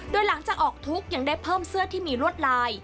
โดยหลังจากออกทุกข์ยังได้เพิ่มเสื้อที่มีลวดลาย